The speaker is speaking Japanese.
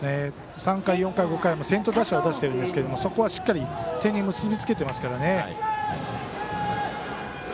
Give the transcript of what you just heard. ３回、４回、５回先頭打者出していますがそこはしっかり点に結び付けていますからね。